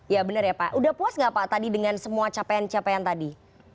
ya benar ya pak udah puas nggak pak tadi dengan semua capaian capaian tadi